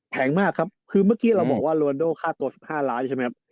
มากครับคือเมื่อกี้เราบอกว่าโรนโดค่าตัว๑๕ล้านใช่ไหมครับ